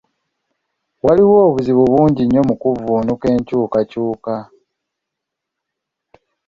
Waliwo obuzibu bungi nnyo mu kuvvuunuka enkyukakyuka.